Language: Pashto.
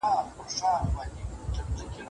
دیني ارزښتونه زموږ د ټولنې ستنې دي.